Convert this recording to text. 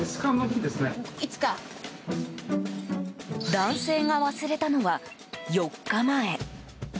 男性が忘れたのは４日前。